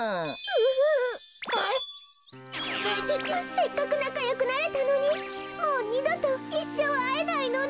せっかくなかよくなれたのにもうにどといっしょうあえないのね。